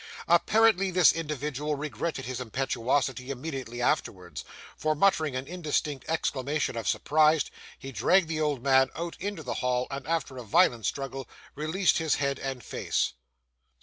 Apparently this individual regretted his impetuosity immediately afterwards, for, muttering an indistinct exclamation of surprise, he dragged the old man out into the hall, and, after a violent struggle, released his head and face.